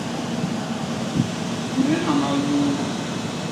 Me nhañal nyuu.